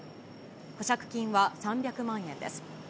保釈金は３００万円です。